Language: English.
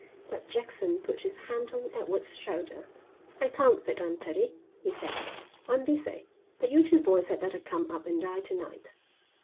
But Jackson put his hand on Edward's shoulder. "I can't sit down, Teddie," he said. "I'm busy. But you two boys had better come up and dine to night."